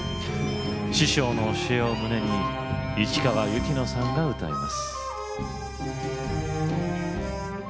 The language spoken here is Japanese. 師匠の教えを胸に市川由紀乃さんが歌います。